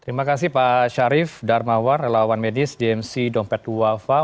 terima kasih pak syarif darmawar relawan medis dmc dompet wafah